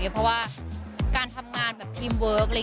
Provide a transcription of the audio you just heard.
เพราะว่าการทำงานแบบทีมเวิร์ค